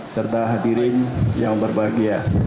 serta hadirin yang berbahagia